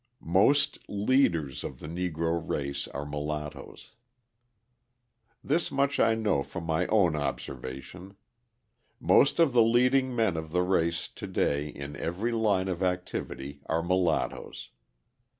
Most Leaders of the Negro Race are Mulattoes This much I know from my own observation: most of the leading men of the race to day in every line of activity are mulattoes.